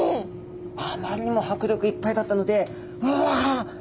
あまりにも迫力いっぱいだったのでうわっ！